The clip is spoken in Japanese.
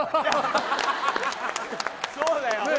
そうだよねえ